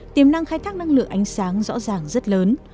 tiềm năng khai thác năng lượng ánh sáng rõ ràng rất lớn